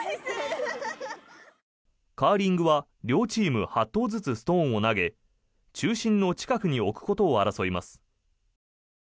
カーリングは両チーム８投ずつストーンを投げ中心の近くに置くことを争います。